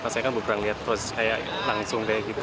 saya kan berperang liat terus kayak langsung kayak gitu